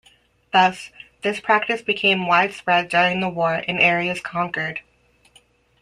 Thus, this practice became widespread during the war in areas conquered.